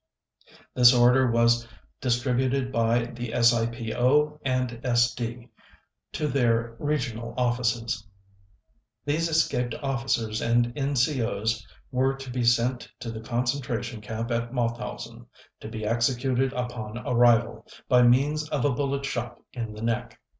This order was distributed by the SIPO and SD to their regional offices. These escaped officers and NCO's were to be sent to the concentration camp at Mauthausen, to be executed upon arrival, by means of a bullet shot in the neck.